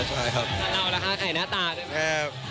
หล่อแล้วค่ะใครหน้าตาดู